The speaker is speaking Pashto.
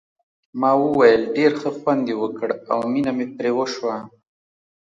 ما وویل ډېر ښه خوند یې وکړ او مینه مې پرې وشوه.